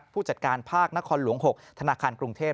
ผู้จัดการภาคนครหลวง๖ธนาคารกรุงเทพ